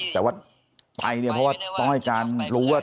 แต่ว่าไปเนี่ยเพราะว่าต้องให้การรู้ว่า